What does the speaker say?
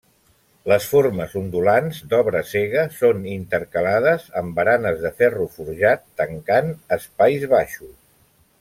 Les formes ondulants, d'obra cega, són intercalades amb baranes de ferro forjat tancant espais baixos.